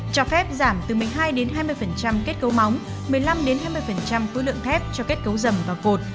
cho phép giảm từ một mươi hai hai mươi kết cấu móng một mươi năm hai mươi tối lượng thép cho kết cấu rầm và gột